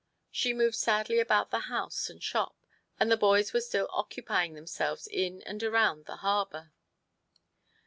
She moved sadly about the house and shop, and the boys were still occupying themselves in and around the harbour.